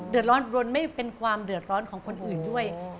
เดือดร้อนรนไม่เป็นความเดือดร้อนของคนอื่นด้วย